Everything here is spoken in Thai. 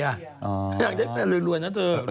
อยากได้แฟนเรื่อยนั้นเท่าตัว